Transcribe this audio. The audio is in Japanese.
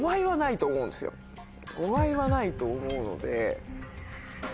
５倍はないと思うので。